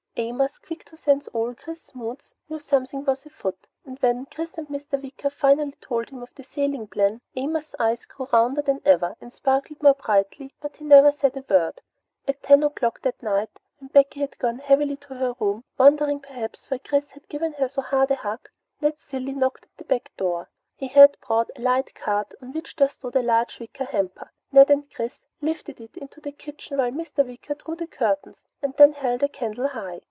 Amos, quick to sense all Chris's moods, knew something was afoot, and when Chris and Mr. Wicker finally told him of the sailing plan, Amos's eyes grew rounder than ever and sparkled more brightly, but he said never a word. At ten o'clock that night, when Becky had gone heavily to her room, wondering perhaps why Chris had given her so hard a hug, Ned Cilley knocked at the back door. He had brought a light cart on which there stood a large wicker hamper. Ned and Chris lifted it into the kitchen while Mr. Wicker drew the curtains and then held a candle high.